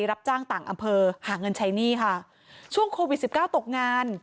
รับจ้างต่างอำเภอหาเงินใช้หนี้ค่ะช่วงโควิดสิบเก้าตกงาน